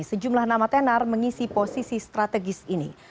sejumlah nama tenar mengisi posisi strategis ini